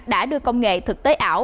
đã đưa công nghệ thực tế ảo